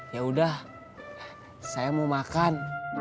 yaudah saya mau makan